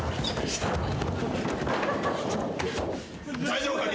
大丈夫か？